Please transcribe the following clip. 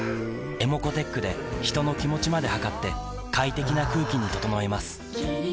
ｅｍｏｃｏーｔｅｃｈで人の気持ちまで測って快適な空気に整えます三菱電機